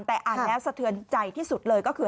แต่อ่านแล้วสะเทือนใจที่สุดเลยก็คือ